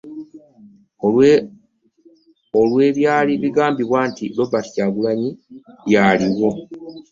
Olw'ebyali bigambibwa nti Robert Kyagulanyi yaliwo